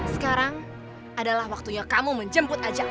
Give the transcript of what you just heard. sekarang adalah waktunya kamu menjemput ajang